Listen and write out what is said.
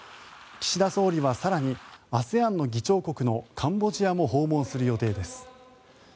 岸田総理は更にＡＳＥＡＮの議長国のカンボジアも訪問する予定です。